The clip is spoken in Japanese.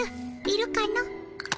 いるかの？